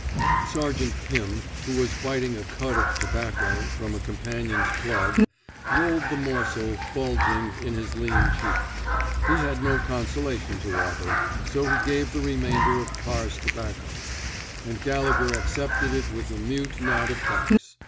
Sergeant Pim, who was biting a cud of tobacco from a companion's plug, rolled the morsel, bulging, in his lean cheek. He had no consolation to offer, so he gave the re mainder of Parr's tobacco; and Gallegher accepted it with a mute nod of thanks.